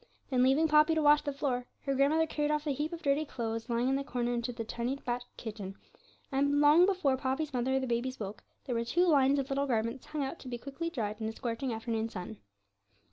Then, leaving Poppy to wash the floor, her grandmother carried off the heap of dirty clothes lying in the corner into the tiny back kitchen, and, long before Poppy's mother or the babies woke, there were two lines of little garments hung out to be quickly dried in the scorching afternoon sun.